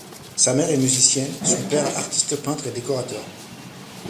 Sa mère est musicienne, son père artiste peintre et décorateur.